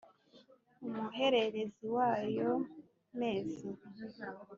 umuhererezi wayo mezi